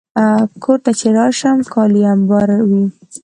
کور ته چې راشم، کالي امبار وي.